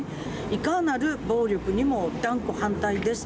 いかなる暴力にも断固、反対です。